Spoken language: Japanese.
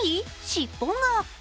尻尾が。